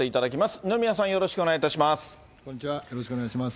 二宮さん、よろしくお願いいたします。